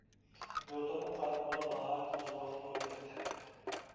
يۇرتۇمغا قايتمىغىلى ناھايىتى ئۇزۇن ۋاقىت بولۇپ كەتتى.